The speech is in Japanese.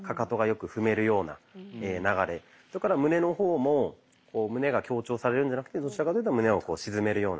それから胸の方も胸が強調されるんじゃなくてどちらかというと胸を沈めるような。